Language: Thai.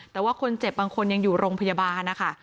แต่ว่าคนเจ็บบางคนยังอยู่โรงพยาบาลนะคะ